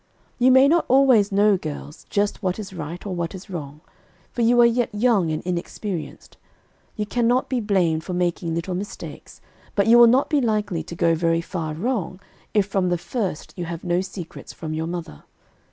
You may not always know, girls, just what is right or what is wrong, for you are yet young and inexperienced. You can not be blamed for making little mistakes, but you will not be likely to go very far wrong, if from the first, you have no secrets from your mother.